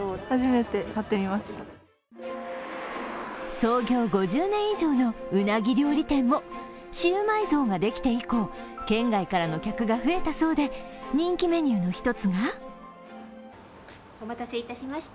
創業５０年以上のうなぎ料理店もシューマイ像ができて以降、県外からの客が増えたそうで、人気メニューの一つがお待たせいたしました